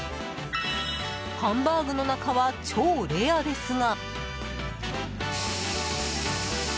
ハンバーグの中は超レアですが。